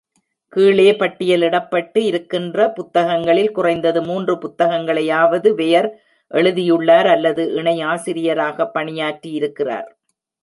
கீழே பட்டியலிடப்பட்டு இருக்கின்ற புத்தகங்களில் குறைந்தது மூன்று புத்தகங்களையாவது வெயர் எழுதியுள்ளார் அல்லது இணை ஆசிரியராக பணியாற்றியிருக்கிறார்.